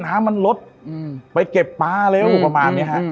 น้ำมันลดไปเก็บปลาเร็วประมาณนี้ฮะ